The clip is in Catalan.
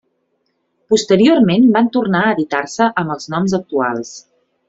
Posteriorment van tornar a editar-se amb els noms actuals.